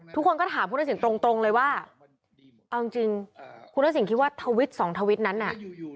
ทุกคนก็ถามคุณทักษิณตรงเลยว่าเอาจริงคุณทักษิณคิดว่าทวิตสองทวิตนั้นน่ะ